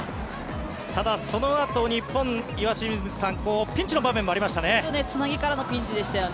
ただ、そのあと日本岩清水さんピンチの場面もありましたよね。